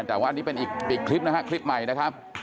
แต่ว่าอันนี้เป็นอีกคลิปนะฮะคลิปใหม่นะครับ